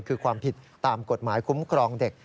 คือความผิดตามกฎหมายคุ้มครองเด็ก